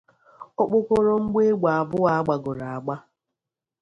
okpokoro mgbọ egbe abụọ a gbagoro agba